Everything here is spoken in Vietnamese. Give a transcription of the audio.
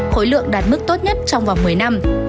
khối lượng đạt mức tốt nhất trong vòng một mươi năm